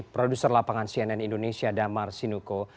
produser lapangan cnn indonesia damar sinuko